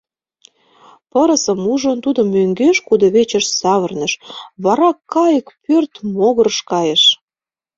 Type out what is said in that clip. Пырысым ужын, тудо мӧҥгеш кудывечыш савырныш, вара кайык пӧрт могырыш кайыш.